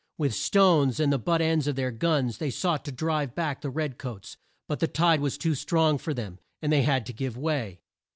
With stones and the butt ends of their guns they sought to drive back the red coats, but the tide was too strong for them, and they had to give way.